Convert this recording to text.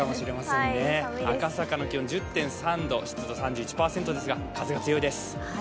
赤坂の気温１０．３度、湿度３１％ですが、風が強いです。